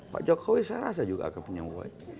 pak jokowi saya rasa juga akan punya uang